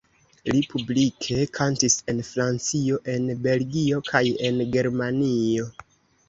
Li publike kantis en Francio, en Belgio kaj en Germanio.